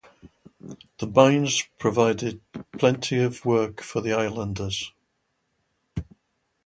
The mines provided plenty of work for the islanders.